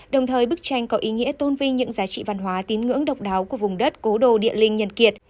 đồng thời bức tranh có ý nghĩa tôn vinh những giá trị văn hóa tín ngưỡng độc đáo của vùng đất cố đồ địa linh nhân kiệt